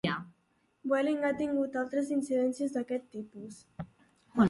Vueling ha tingut altres incidències d'aquest tipus.